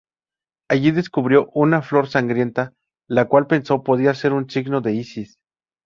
Allí descubrió una flor sangrienta, la cual pensó podía ser un signo de Isis.